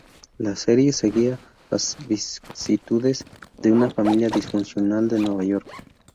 La serie seguía las vicisitudes de una familia disfuncional de Nueva York.